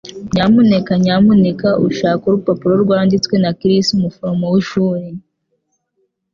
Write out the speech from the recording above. nyamuneka nyamuneka ushake urupapuro rwanditswe na Chris umuforomo wishuri.